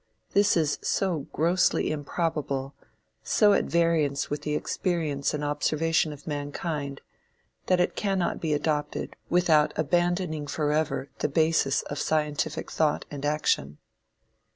This is so grossly improbable, so at variance with the experience and observation of mankind, that it cannot be adopted without abandoning forever the basis of scientific thought and action.